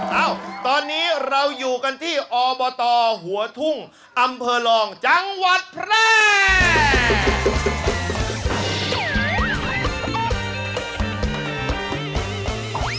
เอ้าตอนนี้เราอยู่กันที่อบตหัวทุ่งอำเภอรองจังหวัดแพร่